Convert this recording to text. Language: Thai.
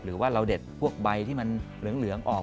หรือว่าเราเด็ดพวกใบที่มันเหลืองออก